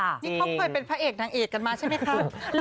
นี่เขาเคยเป็นพระเอกนางเอกกันมาใช่ไหมคะ